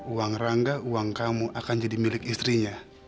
uang rangga uang kamu akan jadi milik istrinya